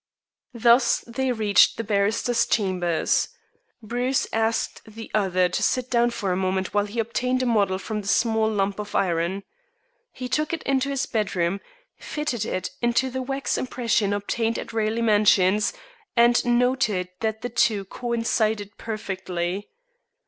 Thus they reached the barrister's chambers. Bruce asked the other to sit down for a moment while he obtained a model of the small lump of iron. He took it into his bedroom, fitted in into the wax impression obtained at Raleigh Mansions, and noted that the two coincided perfectly.